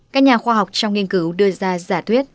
các nhà khoa học trong nghiên cứu đưa ra giả thuyết